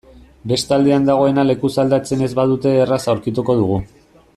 Beste aldean dagoena lekuz aldatzen ez badute erraz aurkituko dugu.